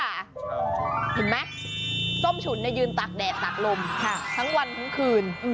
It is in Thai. เห็นไหมส้มฉุนยืนตากแดดตากลมทั้งวันทั้งคืน